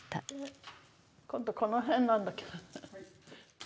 今度この辺なんだけど。